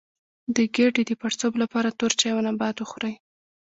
د ګیډې د پړسوب لپاره تور چای او نبات وخورئ